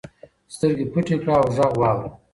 سترګې پټې کړه او غږ واوره.